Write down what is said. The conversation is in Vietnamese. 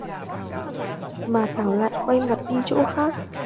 mà thảo lại quay mặt đi chỗ khác